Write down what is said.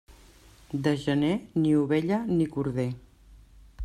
De gener, ni ovella ni corder.